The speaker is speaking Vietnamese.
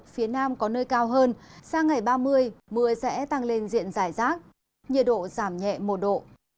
phía nam có nơi cao hơn sang ngày ba mươi mưa sẽ tăng lên diện giải rác nhiệt độ giảm nhẹ một độ